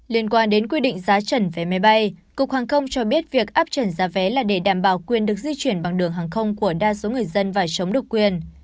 liên quan đến quy định giá trần vé máy bay cục hàng không cho biết việc áp trần giá vé là để đảm bảo quyền được di chuyển bằng đường hàng không của đa số người dân và chống độc quyền